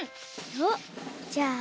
おっじゃあ。